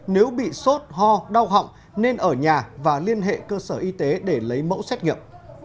nếu bị sốt ho đau họng nên ở nhà và liên hệ cơ sở y tế để lấy mẫu xét nghiệm